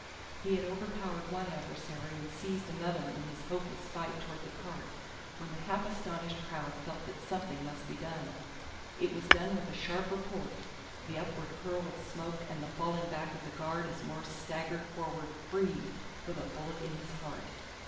He had overpowered one adversary and seized another in his hopeless fight toward the cart when the half astonished crowd felt that something must be done. It was done with a sharp report, the upward curl of smoke and the falling back of the guard as Morse staggered forward FREE with a bullet in his heart.